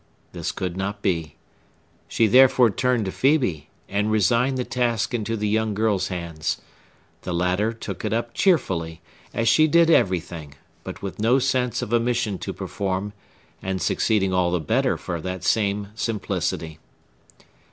This could not be. She therefore turned to Phœbe, and resigned the task into the young girl's hands. The latter took it up cheerfully, as she did everything, but with no sense of a mission to perform, and succeeding all the better for that same simplicity.